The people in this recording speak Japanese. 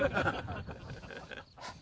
ハハハハ！